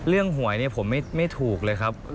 เรื่องหวยผมไม่ถูกเลยครับ